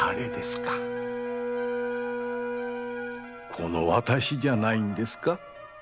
この私じゃないんですか？